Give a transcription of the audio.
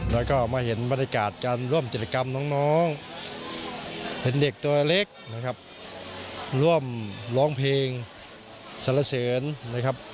แล้วก็มาเห็นบรรยากาศการร่วมกิจกรรมน้องเป็นเด็กตัวเล็กนะครับร่วมร้องเพลงสรรเสริญนะครับ